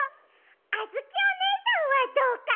あづきおねえさんはどうかな？